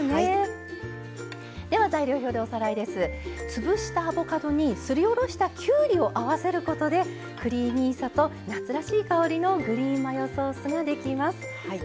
潰したアボカドにすりおろしたきゅうりを合わせることでクリーミーさと夏らしい香りのグリーンマヨソースが出来ます。